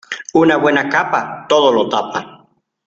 Una buena capa todo lo tapa.